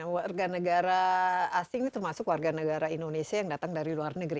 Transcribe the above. warga negara asing ini termasuk warga negara indonesia yang datang dari luar negeri